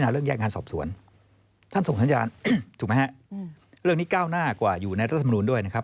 ร่วมนี้เก้าหน้ากว่าอยู่ในรัฐบาลนูนด้วยนะครับ